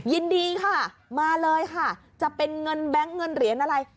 ยินดีค่ะมาเลยค่ะจะเป็นเงินแบงค์เงินเหรียญอะไร